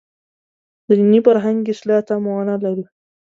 د دیني فرهنګ اصلاح تمه ونه لرو.